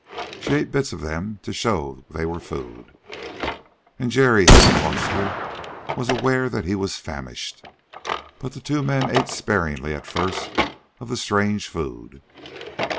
She ate bits of them to show they were food. And Jerry, as he watched her, was aware that he was famished. But the two men ate sparingly at first of the strange food.